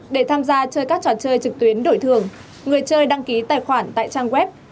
để tham gia chơi các trò chơi trực tuyến đổi thường người chơi đăng ký tài khoản tại trang web